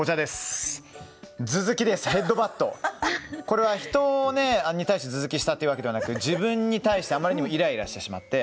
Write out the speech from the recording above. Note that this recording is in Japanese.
これは人に対して頭突きしたというわけではなくて自分に対してあまりにもイライラしてしまって。